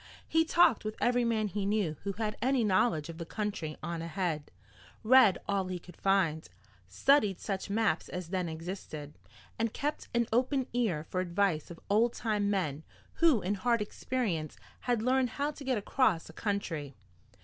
He talked with every man he knew who had any knowledge of the country on ahead, read all he could find, studied such maps as then existed, and kept an open ear for advice of old time men who in hard experience had learned how to get across a country.